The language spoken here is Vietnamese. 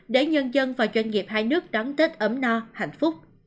để nhân dân và doanh nghiệp hai nước đón tết ấm no hạnh phúc